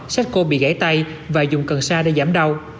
seiko bị gãy tay và dùng cần sa để giảm đau